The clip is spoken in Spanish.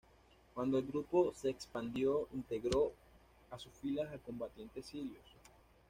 Cuando el grupo se expandió, integró a sus filas a combatientes sirios.